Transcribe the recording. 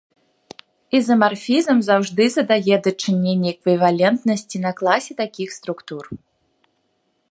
Ізамарфізм заўжды задае дачыненне эквівалентнасці на класе такіх структур.